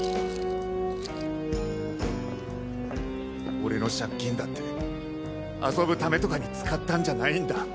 俺の借金だって遊ぶためとかに使ったんじゃないんだ！